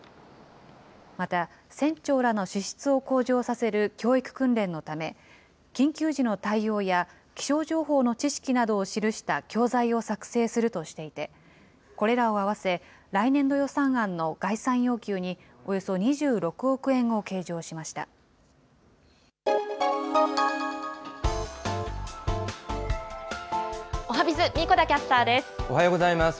また、船長らの資質を向上させる教育訓練のため、緊急時の対応や、気象情報の知識などを記した教材を作成するとしていて、これらを合わせ、来年度予算案の概算要求に、およそ２６億円を計上しましおはＢｉｚ、おはようございます。